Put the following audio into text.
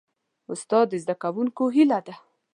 استاد د زدهکوونکو هیله ده.